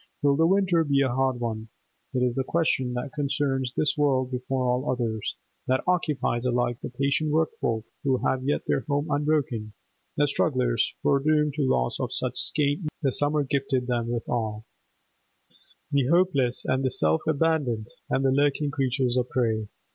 Will the winter be a hard one? It is the question that concerns this world before all others, that occupies alike the patient workfolk who have yet their home unbroken, the strugglers foredoomed to loss of such scant needments as the summer gifted them withal, the hopeless and the self abandoned and the lurking creatures of prey.